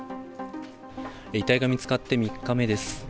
遺体が見つかって３日目です。